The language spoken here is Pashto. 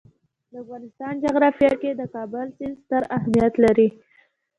د افغانستان جغرافیه کې د کابل سیند ستر اهمیت لري.